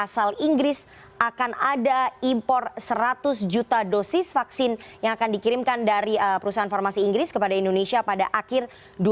asal inggris akan ada impor seratus juta dosis vaksin yang akan dikirimkan dari perusahaan farmasi inggris kepada indonesia pada akhir dua ribu dua puluh